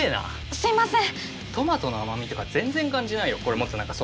すいません。